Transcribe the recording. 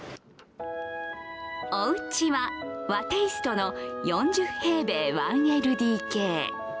おうちは和テイストの４０平米１ＡＤＫ。